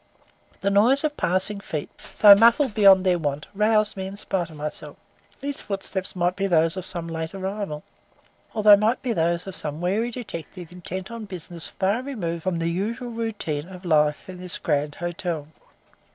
The noise of passing feet, though muffled beyond their wont, roused me in spite of myself. These footsteps might be those of some late arrival, or they might be those of some wary detective intent on business far removed from the usual routine of life in this great hotel.